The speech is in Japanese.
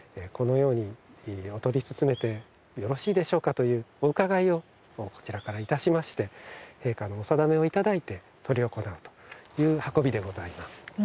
このようにおとり進めてよろしいでしょうかというお伺いをこちらからいたしまして陛下のお定めをいただいて執り行うという運びでございます。